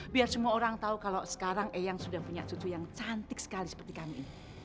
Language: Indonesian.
biar semua orang tahu kalau sekarang eyang sudah punya cucu yang cantik sekali seperti kami